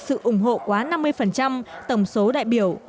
sự ủng hộ quá năm mươi tổng số đại biểu